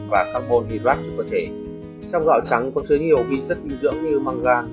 và carbon hydrate cho cơ thể trong gạo trắng có rất nhiều viên chất dinh dưỡng như manga